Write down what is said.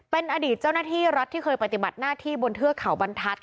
เป็นอดีตเจ้าหน้าที่รัฐที่เคยปฏิบัติหน้าที่บนเทือกเขาบรรทัศน